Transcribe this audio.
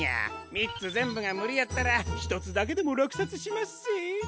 みっつぜんぶがむりやったらひとつだけでもらくさつしまっせ！